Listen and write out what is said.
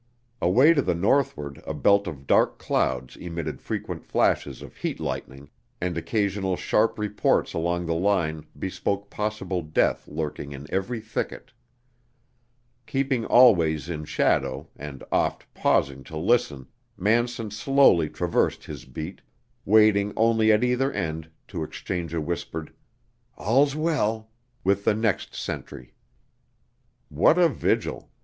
Away to the northward a belt of dark clouds emitted frequent flashes of heat lightning, and occasional sharp reports along the line bespoke possible death lurking in every thicket. Keeping always in shadow, and oft pausing to listen, Manson slowly traversed his beat, waiting only at either end to exchange a whispered "All's well!" with the next sentry. What a vigil!